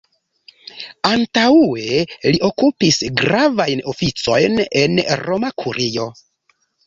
Antaŭe li okupis gravajn oficojn en Roma Kurio.